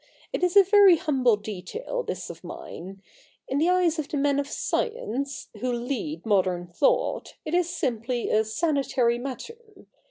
It is a very humble detail, this of mine. In the eyes of the men of science, who lead modern thought, it is simply a sanitary matter.